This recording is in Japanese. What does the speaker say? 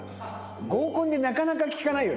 合コンでなかなか聞かないよね